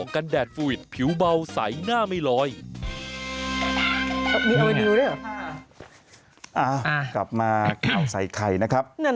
กลับมาข่าวใส่ไข่นะครับ